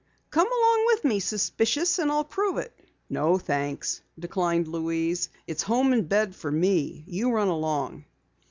"Come along with me, Suspicious, and I'll prove it." "No, thanks," declined Louise. "It's home and bed for me. You run along."